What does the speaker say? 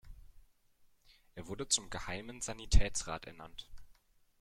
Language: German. Er wurde zum Geheimen Sanitätsrat ernannt.